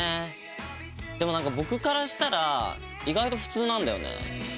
でも何か僕からしたら意外と普通なんだよね。